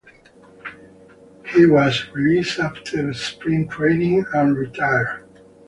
He was released after spring training, and retired.